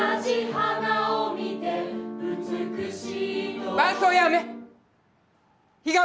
はい。